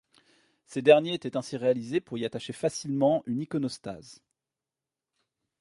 Ces derniers étaient ainsi réalisés pour y attacher facilement une iconostase.